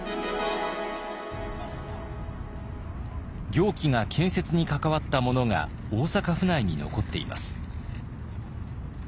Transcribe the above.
行基が建設に関わったものが大阪府内に残っています。